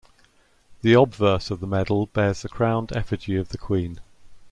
The obverse of the medal bears the crowned effigy of The Queen.